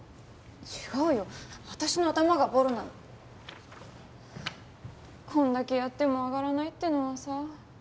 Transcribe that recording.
私の頭がボロなのこんだけやっても上がらないってのはさ